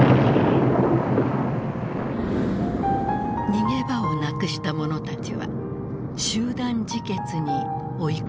逃げ場をなくした者たちは集団自決に追い込まれていく。